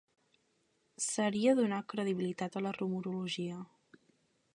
Seria donar credibilitat a la rumorologia.